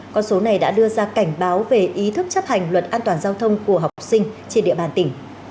con số này đã đưa ra cảnh báo về ý thức chấp hành luật an toàn giao thông của học sinh trên địa bàn tỉnh